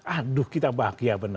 aduh kita bahagia benar